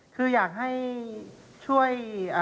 คืออยากให้ช่วย